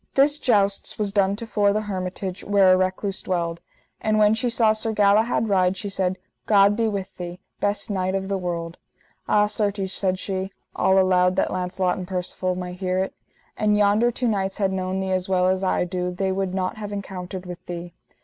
This jousts was done to fore the hermitage where a recluse dwelled. And when she saw Sir Galahad ride, she said: God be with thee, best knight of the world. Ah certes, said she, all aloud that Launcelot and Percivale might hear it: An yonder two knights had known thee as well as I do they would not have encountered with thee.